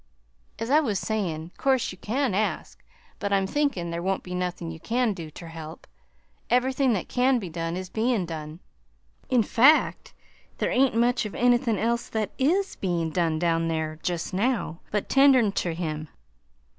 "As I was sayin', 'course you can ask, but I'm thinkin' there won't be nothin' you can do ter help. Ev'rythin' that can be done is bein' done. In fact, there ain't much of anythin' else that is bein' done down there jest now but, tendin' ter him.